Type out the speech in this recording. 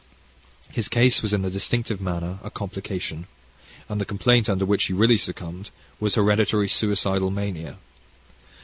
His case was in the distinctive manner a complication, and the complaint under which he really succumbed, was hereditary suicidal mania.